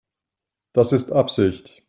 Das ist Absicht.